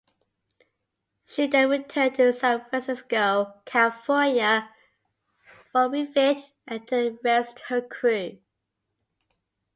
She then returned to San Francisco, California, for refit and to rest her crew.